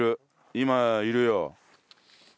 今いるよ。